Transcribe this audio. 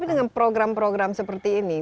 tapi dengan program program seperti ini